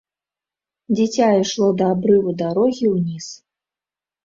Дзіця ішло да абрыву дарогі ўніз.